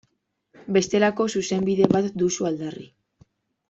Bestelako Zuzenbide bat duzu aldarri.